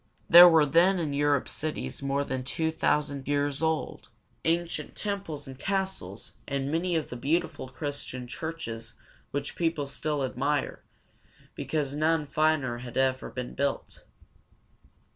There were then in Europe cities more than two thousand years old, ancient temples and castles, and many of the beautiful Christian churches which people still admire, because none finer have ever been built.